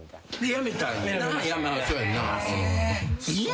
やめたんやな。